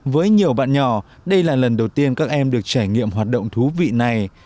với nhiều bạn nhỏ đây là lần đầu tiên các em được trải nghiệm hoạt động thú vị này